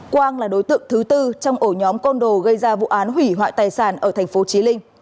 quang là đối tượng thứ tư trong ổ nhóm con đồ gây ra vụ án hủy hoại tài sản ở tp chí linh